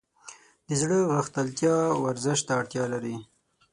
د زړه غښتلتیا ورزش ته اړتیا لري.